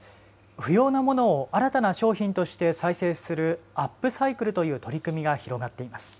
不要なものを新たな商品として再生するアップサイクルという取り組みが広がっています。